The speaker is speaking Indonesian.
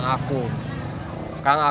kak aku bisa berangkat